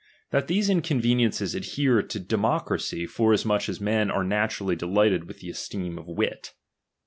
That these inconveniences adhere to demo cracy, forasmuch as men are naturally delighted with the esteem of wit.